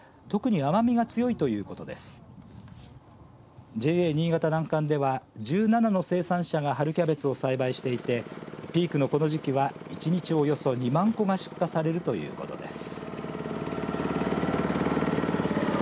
ＪＡにいがた南蒲では１７の生産者が春キャベツを栽培していてピークのこの時期は１日およそ２万個が出荷されるということです。